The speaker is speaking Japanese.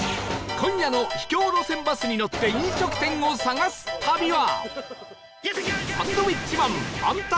今夜の秘境路線バスに乗って飲食店を探す旅は